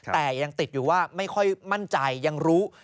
แต่ยังติดอยู่ว่าไม่ค่อยมั่นใจยังรู้